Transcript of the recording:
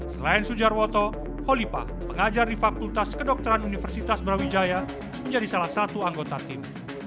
selain sujarwoto holipa pengajar di fakultas kedokteran universitas brawijaya menjadi salah satu anggota tim